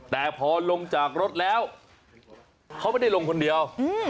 แต่พอลงจากรถแล้วเขาไม่ได้ลงคนเดียว